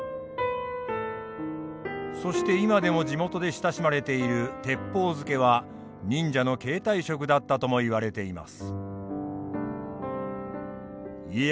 そして今でも地元で親しまれている鉄砲漬は忍者の携帯食だったともいわれています。